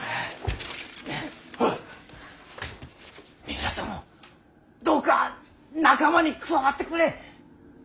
三浦殿どうか仲間に加わってくれ。